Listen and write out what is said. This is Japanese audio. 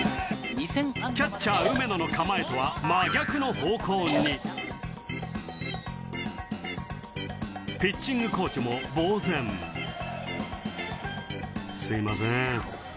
キャッチャー・梅野の構えとは真逆の方向にピッチングコーチもぼうぜん「すいません」